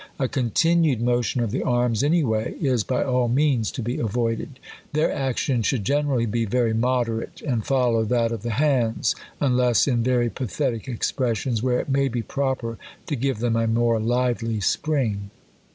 A continued mo tion of the arms any way, is by all means to be avoid ed. Their action should generally be very moderate, and follow that of the hands ; unless in very pathetic expressions, where it may be proper to give them .a more lively spring.